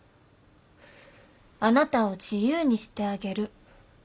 「あなたを自由にしてあげる」